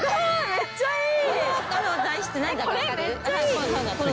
めっちゃいい！